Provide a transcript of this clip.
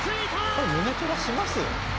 これ胸トラします？